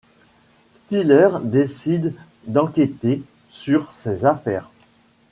Stiller décide d'enquêter sur ces affaires.